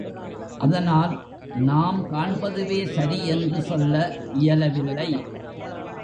அதனால் நாம் காண்பதுவே சரி என்று சொல்ல இயலவில்லை.